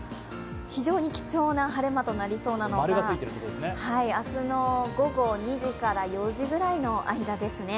非常に貴重な晴れ間となりそうなのが明日の午後２時から４時ぐらいの間ですね。